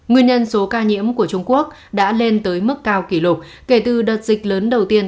nguyên nhân số ca nhiễm của trung quốc đã lên tới mức cao kỷ lục kể từ đợt dịch lớn đầu tiên